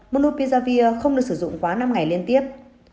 một bonupiravir không được sử dụng quá năm ngày liên tiếp